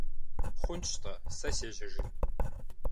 Хъунщ атӏэ, сэ сежьэжын.